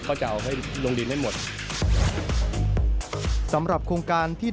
ก็จะเอาลงดินให้หมด